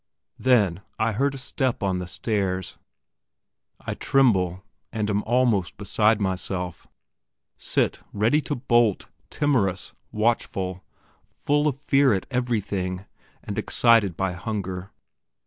Then I heard a step on the stairs. I tremble, and am almost beside myself; sit ready to bolt, timorous, watchful, full of fear at everything, and excited by hunger.